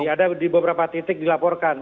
ada di beberapa titik dilaporkan